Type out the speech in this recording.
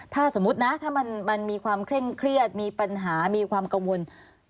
ถ้าสมมุตินะถ้ามันมีความเคร่งเครียดมีปัญหามีความกังวล